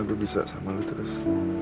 gua bisa sama lu terus